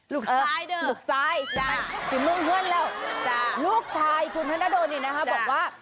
ลูกซ้ายเด้อจริงมึงเหมือนแล้วลูกชายคุณธนดลเนี่ยนะฮะบอกว่า